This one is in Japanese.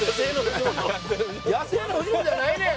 野生の藤本やないねん！